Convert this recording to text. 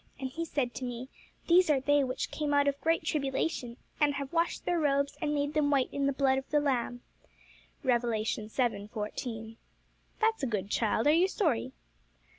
And he said to me, These are they which came out of great tribulation, and have washed their robes, and made them white in the blood of the Lamb' (Rev. vii. 14). 'That's a good child; are you sorry?'